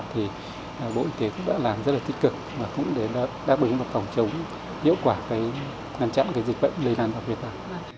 thì bộ y tế cũng đã làm rất là tích cực và cũng đã đáp ứng phòng chống hiệu quả ngăn chặn dịch bệnh lây lan vào việt nam